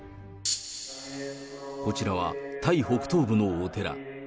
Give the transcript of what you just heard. こちらは、タイ北東部のお寺。